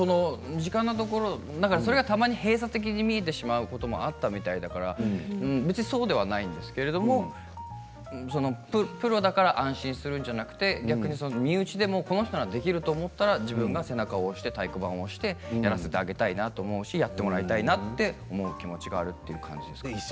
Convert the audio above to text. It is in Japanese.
身近なところたまにそれが閉鎖的に見えてしまうこともあったみたいだから別にそうではないんですけどプロだから安心するんじゃなくて逆に身内でもこの人ならできると思ったら自分が背中を押して太鼓判を押してやらせてあげたいなと思うしもらいたいなと思う気持ちがあるという感じですね。